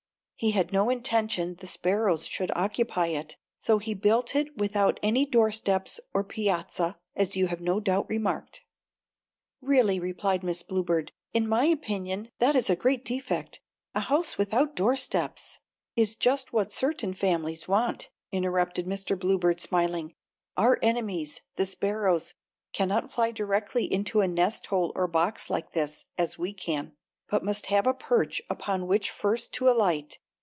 He had no intention the sparrows should occupy it, so he built it without any doorsteps or piazza, as you have no doubt remarked." "Really," replied Miss Bluebird, "in my opinion that is a great defect. A house without doorsteps " "Is just what certain families want," interrupted Mr. Bluebird, smilingly. "Our enemies, the sparrows, cannot fly directly into a nest hole or box like this, as we can, but must have a perch upon which first to alight.